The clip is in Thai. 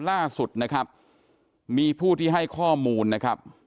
ล่าสุดนะครับมีผู้ที่ให้ข้อมูลนะครับ